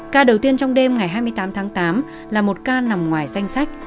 ca đầu tiên trong đêm ngày hai mươi tám tháng tám là một ca nằm ngoài danh sách